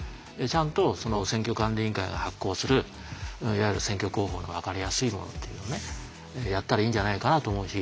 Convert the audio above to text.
ちゃんと選挙管理委員会が発行するいわゆる選挙公報のわかりやすいものというのをやったらいいんじゃないかなと思うし。